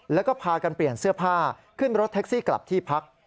แล้วก็พากันเปลี่ยนเสื้อผ้าขึ้นรถแท็กซี่กลับที่พัก